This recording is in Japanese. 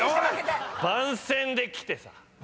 番宣で来てさ